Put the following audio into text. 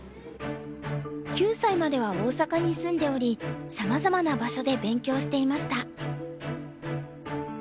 ９歳までは大阪に住んでおりさまざまな場所で勉強していました。